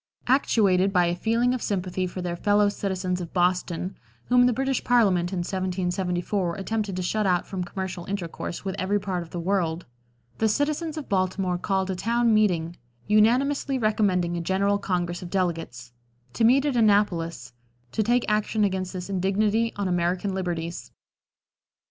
Actuated by a feeling of sympathy for their fellow citizens of Boston whom the British Parliament in 1774 attempted to shut out from commercial intercourse with every part of the world the citizens of Baltimore called a town meeting, unanimously recommending a general congress of delegates, to meet at Annapolis, to take action against this indignity on American liberties.